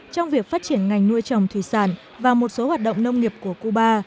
trong việc phát triển ngành nuôi trồng thủy sản và một số hoạt động nông nghiệp của cuba